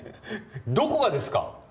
どこがですか？